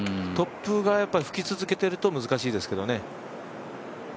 突風が吹き続けてると難しいですけどね。